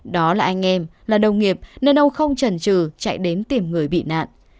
đó là anh em là đồng nghiệp nên ông không trần trừ chạy đến tìm người bị nạn